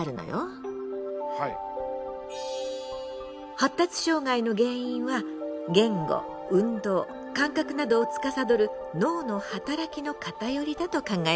発達障害の原因は「言語」「運動」「感覚」などをつかさどる脳の働きのかたよりだと考えられています。